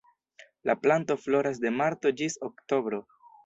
La planto floras de marto ĝis oktobro.